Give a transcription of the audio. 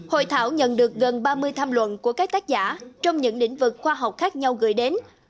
hội thảo nhận được gần ba mươi tham luận của các tác giả trong những lĩnh vực khoa học khác nhau gửi đến